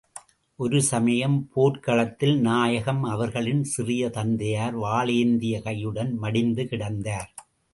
ஒரு சமயம், போர்க் களத்தில் நாயகம் அவர்களின் சிறிய தந்தையார் வாளேந்திய கையுடன் மடிந்து கிடந்தார்.